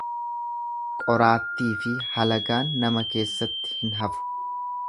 Qoraattiifi halagaan nama keessatti hin hafu.